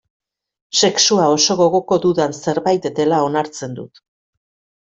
Sexua oso gogoko dudan zerbait dela onartzen dut.